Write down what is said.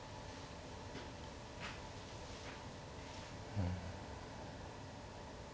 うん。